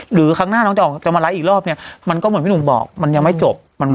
ครั้งหน้าน้องจะออกจะมาไลฟ์อีกรอบเนี่ยมันก็เหมือนพี่หนุ่มบอกมันยังไม่จบ